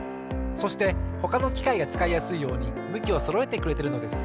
そしてほかのきかいがつかいやすいようにむきをそろえてくれてるのです。